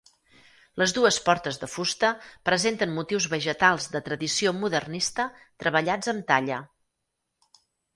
Les dues portes de fusta presenten motius vegetals de tradició modernista treballats amb talla.